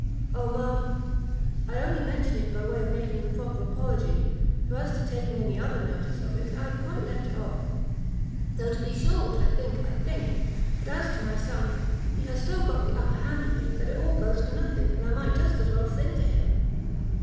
"O, ma'am, I only mention it by the way of making the proper apology, for as to taking any other notice of it, I have quite left it off; though to be sure what I think I think; but as to my son, he has so got the upper hand of me, that it all goes for nothing, and I might just as well sing to him.